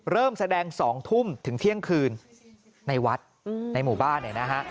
เริ่มแสดง๒ทุ่มถึงเที่ยงคืนในวัดในหมู่บ้านเนี่ยนะฮะ